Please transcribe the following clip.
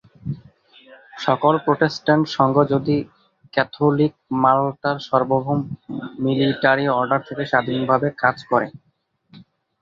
সকল প্রোটেস্ট্যান্ট সংঘ আদি ক্যাথোলিক মাল্টার সার্বভৌম মিলিটারি অর্ডার থেকে স্বাধীনভাবে কাজ করে।